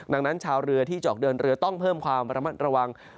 ดังนั้นชาวเรือที่จะออกเดินเรือต้องเพิ่มความระมัดระวัง